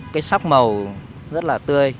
cái sắc màu rất là tươi